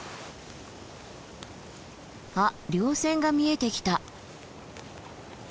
あ稜線が見えてきた！